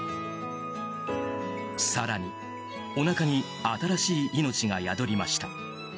更に、おなかに新しい命が宿りました。